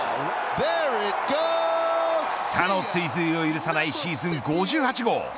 他の追随を許さないシーズン５８号。